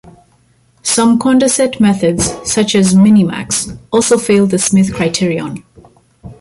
Some Condorcet methods, such as Minimax, also fail the Smith criterion.